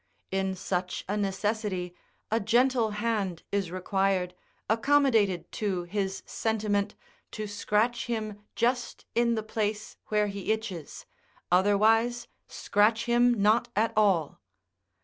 In such a necessity, a gentle hand is required, accommodated to his sentiment, to scratch him just in the place where he itches, otherwise scratch him not at all.